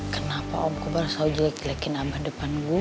kenapa om kobarto selalu jelek jelekin abah depan gue